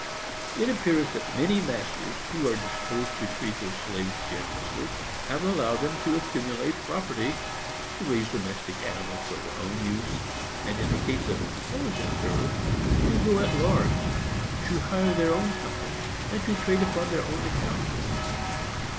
_ It appears that many masters, who are disposed to treat their slaves generously, have allowed them to accumulate property, to raise domestic animals for their own use, and, in the case of intelligent servants, to go at large, to hire their own time, and to trade upon their own account.